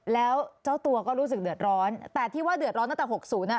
แล้วเจ้าตัวก็รู้สึกเดือดร้อนแต่ที่ว่าเดือดร้อนตั้งแต่หกศูนย์อ่ะ